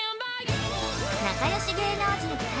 仲良し芸能人